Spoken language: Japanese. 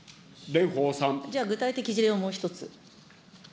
じゃあ具体的事例をもう１つ。